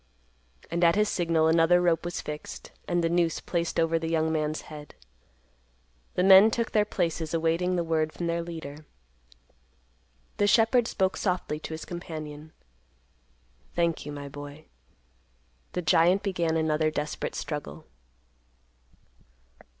And at his signal another rope was fixed, and the noose placed over the young man's head. The men took their places, awaiting the word from their leader. The shepherd spoke softly to his companion, "Thank you, my boy." The giant began another desperate struggle.